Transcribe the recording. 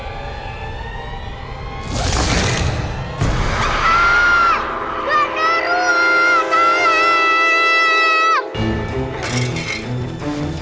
aaaaah gendarua tolong